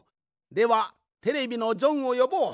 ではテレビのジョンをよぼう。